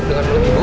dengar dulu ibu